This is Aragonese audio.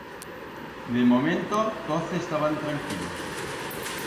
De momento toz estaban tranquilos.